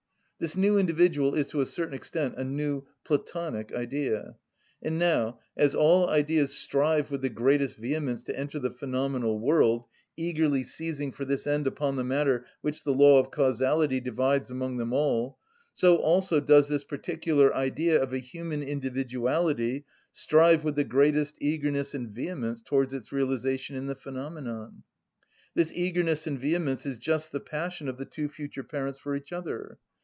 This new individual is to a certain extent a new (Platonic) Idea; and now, as all Ideas strive with the greatest vehemence to enter the phenomenal world, eagerly seizing for this end upon the matter which the law of causality divides among them all, so also does this particular Idea of a human individuality strive with the greatest eagerness and vehemence towards its realisation in the phenomenon. This eagerness and vehemence is just the passion of the two future parents for each other.